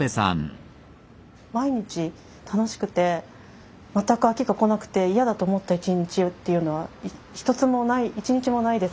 毎日楽しくて全く飽きがこなくて嫌だと思った一日っていうのは一つもない一日もないです。